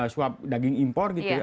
suap daging impor gitu ya